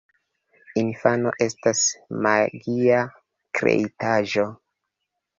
Infano estas magia kreitaĵo.